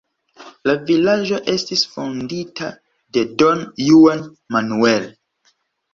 La vilaĝo estis fondita de Don Juan Manuel.